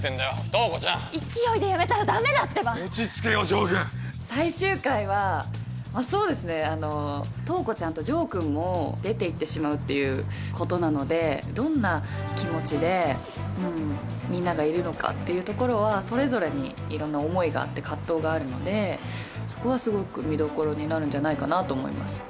塔子ちゃん勢いで辞めたらダメだってば落ちつけよ城君最終回はそうですね塔子ちゃんと城君も出ていってしまうっていうことなのでどんな気持ちでみんながいるのかっていうところはそれぞれに色んな思いがあって葛藤があるのでそこはすごく見どころになるんじゃないかなと思います